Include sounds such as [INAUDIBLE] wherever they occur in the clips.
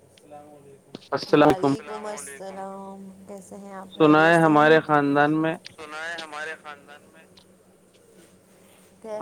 اللام وعلیکم السلام س آپ مرییا سے س ہے ہمارے خاندان میں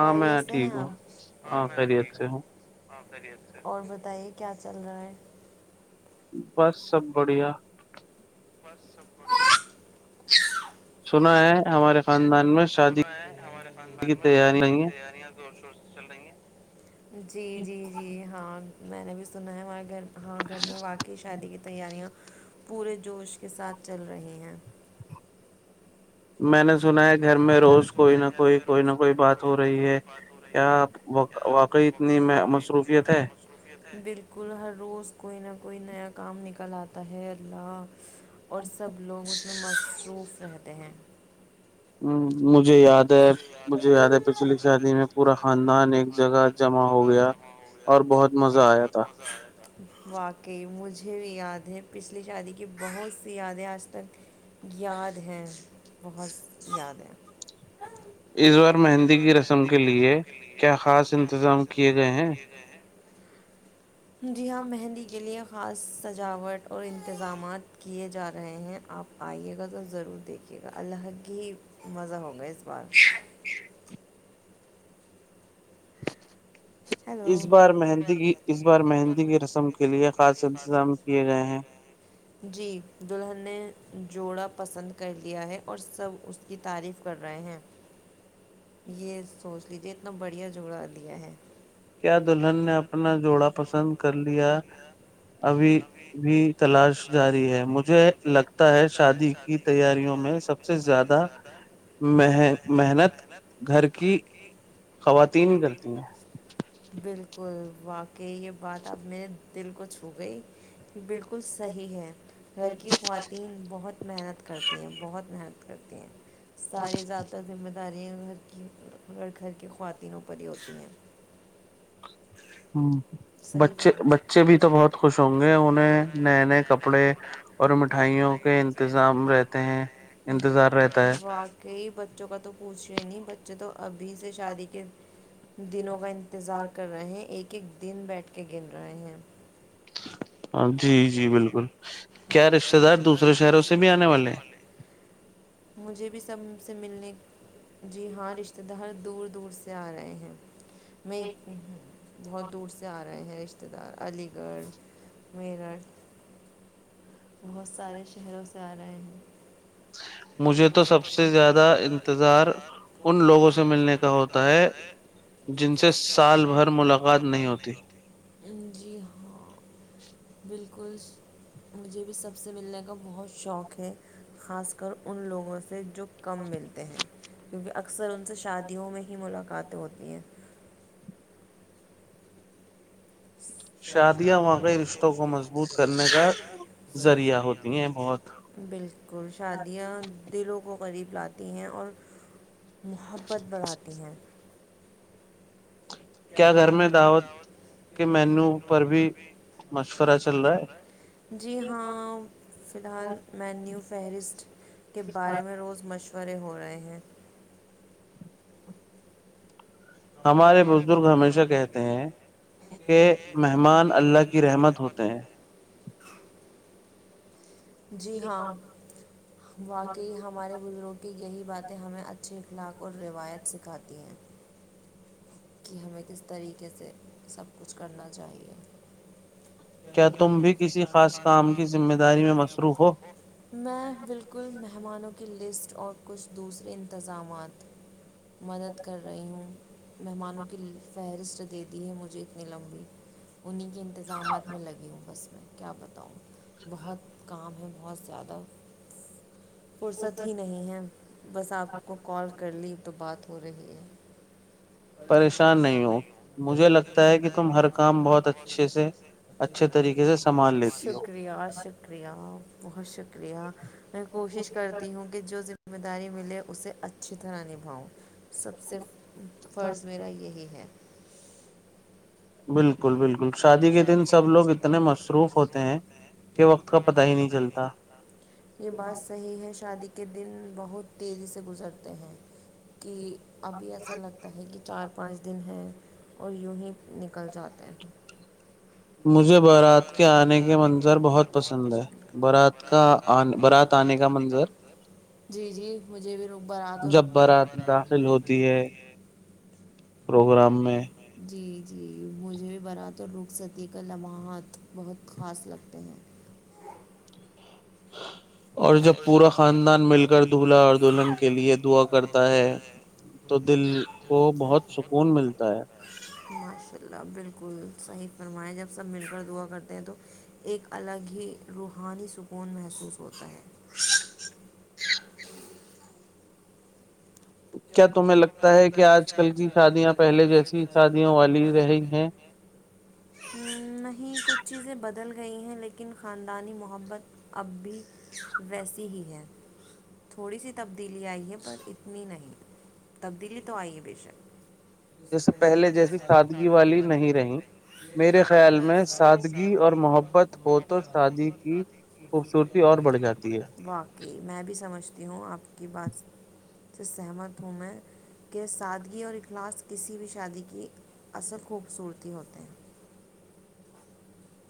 خیریت سے ہیں آ ہ اور بتائیے کیا چل رہا ہے بس سب بڑھیا سنا ہے ہمارے خاندان میں شادی کی تیاری نہیں ہے سل رہی گ [UNINTELLIGIBLE] جی جی جی ہاں میں نے بھی سنا ہے وہاں گھر ہاں گھر میں واقعی شادی کی تیاریاں پورے جوش کے ساتھ چل رہے ہیں میں نے سنا ہے گھر میں میں نے سنا ہے گھر میں روز کوئی نہ کوئی کوئی نہ کوئی بات ہو رہی ہے کیاابے اتنی مصروفیت ہے بالکل ہر روز کوئی نہ کوئی نیا کام نکل آتا ہے اللہ اور سب لوگ ا میں مصروف رہتے ہیں [UNINTELLIGIBLE] شیا جہ جمع ہو گیا بہت م آیا واقعی مجھ مجھے بھی یاد ہیں پچھلی شادی کی بہت سی یادیں آج تک یاد ہیں [UNINTELLIGIBLE] بہت یاد ہے مہندی کی رسم کے لیے کیا خاص انتظام کیے گئے ہیں جی ہاں مہندی کے لیے خاص سجاوٹ اور انتظامات کیے جا رہے ہیں آپ آئیے گا تو ضرور دیکھ ے گا اللہ کی مزہ ہوگا اس بار ہیلو جی دلہن نے جوڑا پسند کر لیا ہے اور سب اس کی تعریف کر رہے ہیں یہ سوچ لیجیے اتنا بڑھیا جوڑا لیا ہے کیا توھر میںوڑا کرڑا پسند کر یا ابھی تلاش جاری ہے مجھے لگتا ہے شادی کی تیاریوں میں سب سے زیادہ محنت گھر کی بالکل واقعی یہ بات اب میرے دل کو چھو گئی بالکل صحیح ہے گھر کی خواتین بہت محنت کرتی ہیں بہت محنت کرتی ہیں ساری زیادہ سے مت ت رہ ہیں گھر کی گھر کی خوات تنوں پ ہی ہوتی ہیں ہاں صحیح بچے بھی تو بہت خوش ہو گئے انہیں نئے نئے کپڑے اور مٹھائیوں کے انتظام رہتے ہیں واقعی بچوں کا تو پوچھے نہیں بچے تو ابھی سے شادی کے دنوں کا انتظار کر رہے ہیں ایک ایک دن بیٹھ کے گن رہے ہیں جی جی بالکل کیا رشتتے دار دوسرے شہروں سے بھی آنے والے ہیں مجھے بھی سب سے ملنے جی ہاں رشتتے دار دور دور سے آ رہے ہیں میں بہت سے آ رہے ہیں رشتے دار علی گڑھ میرٹھ بہت سارے شہروں سے آ رہے ہیں مجھے تو سب سے زیادہ انتظار ان لوگوں سے ملنے کا ہوتا ہے جن سے سال بھر ملاقات نہیں ہوتی جی ہاں بالکل مجھے بھی سب سے ملنے کا بہت شوق ہے خاص کر ان لوگوں سے جو کم ملتے ہیں [UNINTELLIGIBLE] کیونکہ اکثر ان سے شادیوں میں ہی ملاقات تو ہوتی ہیں [UNINTELLIGIBLE] شاد بالکل شادیا د لوگ قغریب لاتی ہیں اور محبت بڑھاتی ہیں جی ہاں فی الحال مینیو فہرست کے بارے میں روز مشور بے ہو رہے ہیں [UNINTELLIGIBLE] ہمارے بزرگ ہمیشہ کہتے ہیں کہ مہمان اللہ کی رحمت ہوتے ہیں جی ہاں واقی ہمارے بزرگ کی یہی باتیں ہمیں اچھے اخلاق اور روایت سکھاتی ہیں کہ ہمیں کس طریقے سے سب کچھ کرنا چاہیے میں بالکل مہمانوں کی لسٹ کچھ اور کچھ دوسرے انتظامات مدت کر رہی ہوں مہمانوں کی فہرست دے دی ہے مجھے اتنی لمبی انہیں کے انتظامات میں لگی ہوں بس میں کیا بتاؤں بہت کام ہے [UNINTELLIGIBLE] بہت زیادہ فرصت ہی نہیں ہے بس آپ کو کال کر لی تو بات ہو رہی ہے شکریہ شکریہ بہت شکریہ میں کوشش کرتی ہوں کہ جو ذمہ داری ملے اسے اچھی طرح نبھاؤں سب سے فرض میرا یہی ہے بالکل بالکل شادی کے دن سب لوگ اتنے مصروف ہوتے ہیں کہ وقت کا پت ہی نہیں چلتا کے دن بہت تیزی سے گزرتے ہیں کہ ابھی ایسا لگتا ہے گ چار پانچ دن ہے اور یوں ہی نکل جاتے ہیں مجھے بارات کے آنے کے منظر بہت پسند ہے بارات کا بارات آنے کا منظر جب بارات داخل ہوتی ہے پروگرام میں جی جی مجھے بھی بارات اور رخصتیی کا لمحات بہت خاص لگتے ہیں اور جب پورا خاندان مل کر دولہا اور دلہن کے لیئے دعا کرتا ہے تو دل کو بہت سکون ملتا ہے بالکل صحیح فرمایا جب سب مل کر دعا کرتے ہیں تو ایک الگ ہی روحانی سکون محسوس [UNINTELLIGIBLE] نہیں کچھ چیزیں بدل گئی ہیں لیکن خاندانی محبت اب بھی ویسی ہی ہے تھوڑی سی تبدیلی آئی ہے پر اتنی نہیں تبدیلی تو آئی ہے بے شک باقی میں بھی سمجھتی ہوں آپ کی بات سے تو سہمت میں کہ سادگی اور اخلاص کسی بھی شادی کی اصل خوبصورتی ہوتے ہیں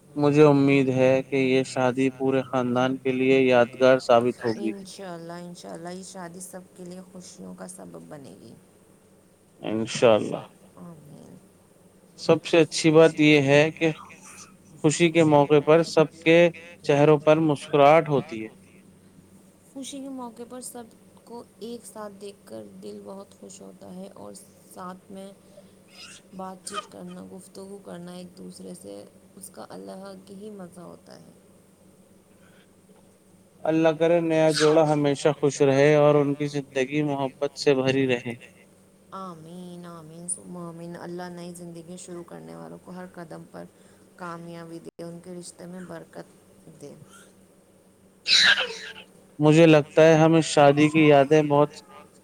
مجھے امید ہے کہ یہ شادی پورے خاندان یاار ان شاء اللہ چلائی شادی سب کے لیے خوشیوں کا سبب بنے گی اچھا سب سے اچھی بات یہ ہے کہ خوشی کے موقع پر سب کے چہروں پر مسکراہٹ ہوتی ہے خوشی کے موقع پر سب کو ایک ساتھ دیکھ کر دل بہت خوش ہوتا ہے اور ساتھ میں بعد چت کرنا گفتگو کرنا ایک دوسرے سے اس کا اللہ کے ہی مزہ ہوتا ہے اللہ تعال رہے اورگیے آمین آمین آمین اللہ نئی زندگی شروع کرنے والوں کو ہر قدم پر کامیابی دے ان کے رشتے میں برکت دے مجھے لگتا ہے کہ ہمیں شادی کی یادیں بہت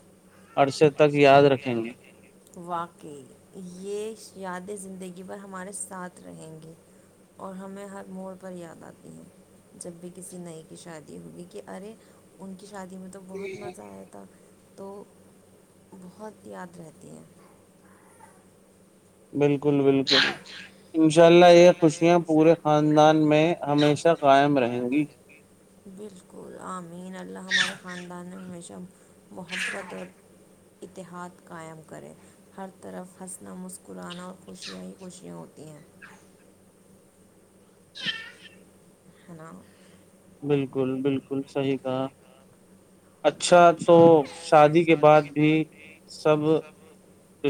عرصے تک یاد رہیں گی۔ ہاں، واقعی زندگی بھر ہمارے ساتھ رہیں گی اور ہمیں ہر موڑ پر یاد آتی رہیں گی، جب بھی کوئی نئی شادی ہوئی کہ ارے ان کی شادی میں تو بہت مزہ آیا تھا تو بہت یاد رہتی ہے بالکل بالکل انشاء اللہ یہ خوشیاں پورے خاندان میں ہمیشہ قائم رہیں گی بالکل آمین اللہ ہمارے خاندان ہمیشہ محبت اتحاد قائم کرے ہر طرف ہنسنا مسکرانا اور خوشیاں ہی خوشیاں ہوتی ہیں [INAUDIBLE] ہ نا [UNINTELLIGIBLE] بالکل بالکل صحیح کہا اچھا تو شادی کے بعد بھی سب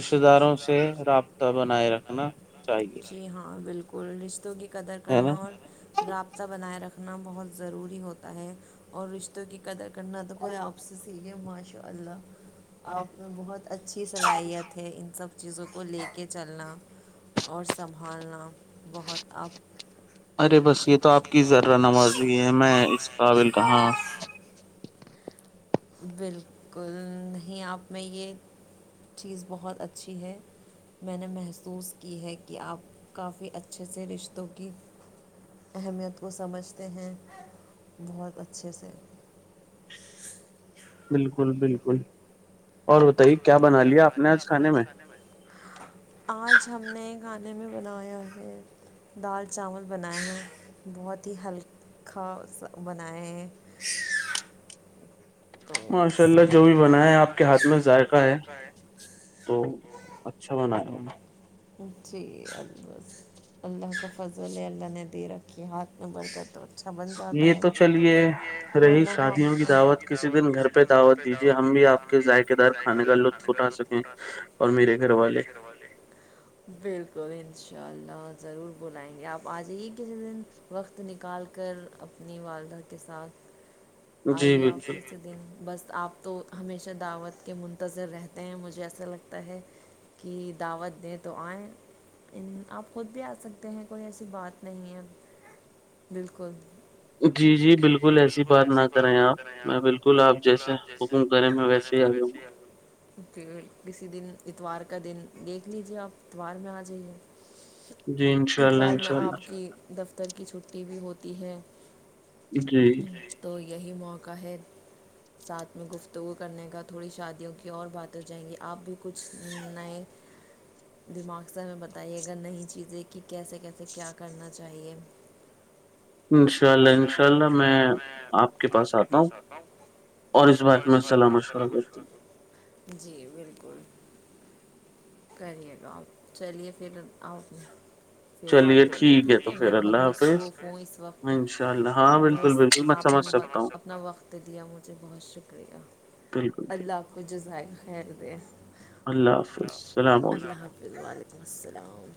رشتے داروں سے رابطہ بنائے رکھنا چاہیے جی ہاں بالکل اور رشتوں کی یہ یادیں زندگی بھر ہمارے ساتھ رہیں گی اور ہمیں ہر موڑ پر یاد آتی رہیں گی۔ قدر کرنا اور رابطہ بنائے رکھا ہاں، بہت ضروری ہوتا ہے، اور رشتوں کی قدر کرنی چاہیے نہ تو کوئی آپ کا ہوتا ہے سھیک ہے ماشاء اللہ اور بہت اچھی صلاحیت ہے ان سب چیزوں کو لے کے چلنا اور سنبھالنا بہت آ [UNINTELLIGIBLE] بالکل نہیں آپ میں یہ چیز بہت اچھی ہے میں نے محسوس کی ہے کہ آپ کافی اچھے سے رشتوں کی اہمیت کو سمجھتے ہیں بہت اچھے سے بالکل بالکل آج ہم نے [UNINTELLIGIBLE] کھانے میں بنایا ہے دال چاول بناائے ہیں بہت ہی ہلکا سا بنایا ہے تو ماشاء اللہ جو بھی بنایا آپ کے ہاتھ میں ذائقہ ہے وہ اچھا بنایا جی البس اللہ کے فضل اللہ نے دے رکھی ہاتھ میں برکت اور اچھا بن پاتا ہے یہ تو چلیے ورنہ ہو دعوت کسی د گھر پہ دعوت دیجیے ہم بھی آپ کے ذائقے دار کھانے کا لطف اٹھا سکیں اور میرے گھر والے بالکل اناء اللہ ضرور بلائیں گے آپ آ جائیے کس دن وقت نکال کر اپنی والدہ کے ساتھ جی بالکل بس آپ تو ہمیشہ دعوت کے منتظر رہتے ہیں مجھے ایسا لگتا ہے کہ دعوت دیں تو آئیں آپ خود بھی آ سکتے ہیں کوئی ایسی بات نہیں ہے بالکل جی جی بالکل ایسی بات نہ کر رہیں آپ میں بالکل بالکل آپ جیسے بکنگ کریں ویسے ہی دن اتوار کا دن دیکھ لیجیے آپ اتوار میں آ جائیے ات بار میں آپ کی دفتر کی چھ ٹی وی ہوتی ہے [UNINTELLIGIBLE] تو یہی موقع قد ساتھ میں گفتگو کرنے کا تھوڑی شادیوں کی اور باتیں جائیں گی آپ بھی کچھ نئے دماغ سے ہمیں بتائیے گا نئی چیزیں کی کیسے کیسے کیا کرنا چاہیے انشاء اللہ انشاء اللہ میں آپ کے پاس آتا ہوں جی بالکل کریے گا چلیے پھر آؤ پ بات ہوگئی ٹھیک ہے میں بہت مصروف ہوں اس وقت بس آپ نے بہت اپنا وقت دیا مجھے بہت شکریہ اللہ آپ جزائرہ خیر د ہیں اللہ حافظ السلام علیکم السلام